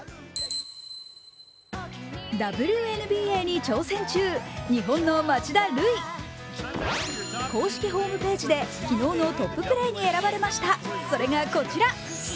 ＷＮＢＡに挑戦中日本の町田瑠唯。公式ホームページで、昨日のトッププレーに選ばれましたそれがこちら。